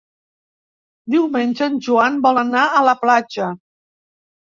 Diumenge en Joan vol anar a la platja.